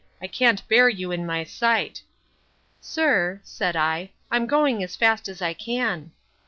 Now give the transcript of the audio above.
I can't bear you in my sight. Sir, said I, I'm going as fast as I can.